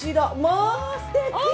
◆あ、すてき。